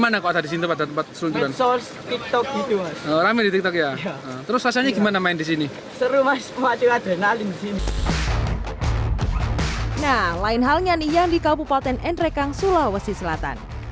nah lain halnya nih yang di kabupaten nrekang sulawesi selatan